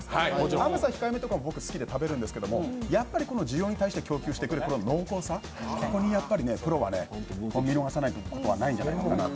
甘さ控えめとかは僕、好きで食べるんですけどやっぱり需要に対して供給してくれる濃厚さ、ここにプロは見逃さないことはないのかなと。